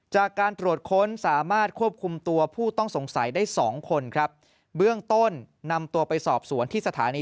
จากการตรวจค้นสามารถควบคุมตัวผู้ต้องสงสัยได้สองคนครับเบื้องต้นนำตัวไปสอบสวนที่สถานี